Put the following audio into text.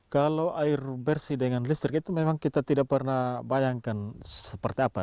kalau air bersih dengan listrik itu memang kita tidak pernah bayangkan seperti apa